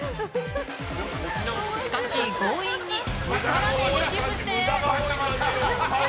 しかし、強引に力でねじ伏せ。